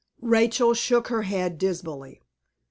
Rachel shook her head dismally.